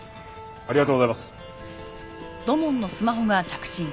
ありがとうございます。